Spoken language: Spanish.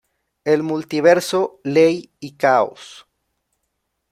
El multiverso, Ley y Caos.